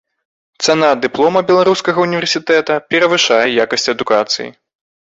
Цана дыплома беларускага ўніверсітэта перавышае якасць адукацыі.